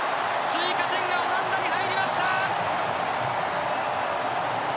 追加点がオランダに入りました！